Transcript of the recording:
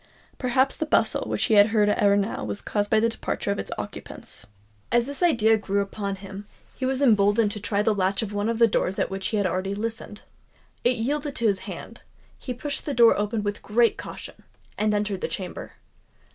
Perhaps the bustle which he had heard ere now was caused by the departure of its occupants? As this idea grew upon him, he was emboldened to try the latch of one of the doors at which he had already listened. It yielded to his hand; he pushed the door open with great caution, and entered the chamber.